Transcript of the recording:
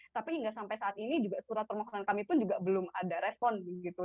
tapi hingga sampai saat ini juga surat permohonan kami pun juga belum ada respon gitu